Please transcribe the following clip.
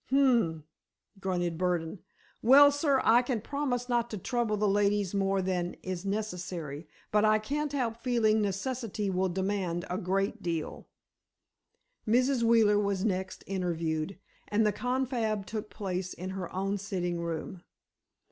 "H'm," grunted Burdon. "Well, sir, I can promise not to trouble the ladies more than is necessary—but I can't help feeling necessity will demand a great deal." Mrs. Wheeler was next interviewed, and the confab took place in her own sitting room.